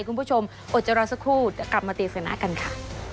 คุณผู้ชมอดเจ้ารอสักครู่กลับมาตีศาสนากันค่ะ